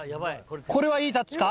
これはいいタッチか？